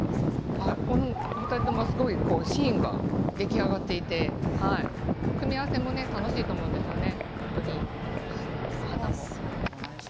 お二人ともシーンが出来上がっていて組み合わせも楽しいと思うんですよね。